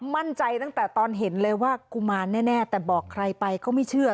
ตั้งแต่ตอนเห็นเลยว่ากุมารแน่แต่บอกใครไปก็ไม่เชื่อ